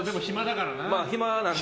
暇なんで。